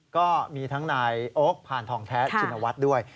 ก็มีทั้งนายโอ๊คพานทองแท้ชินวัฒน์ด้วย